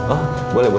oh boleh boleh